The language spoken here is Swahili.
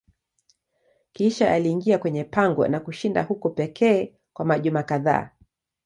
Kisha aliingia kwenye pango na kushinda huko pekee kwa majuma kadhaa.